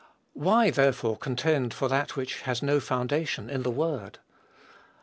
Why, therefore, contend for that which has no foundation in the Word?